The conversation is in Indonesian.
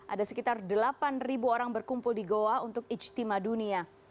ada sekitar delapan orang berkumpul di goa untuk ijtima dunia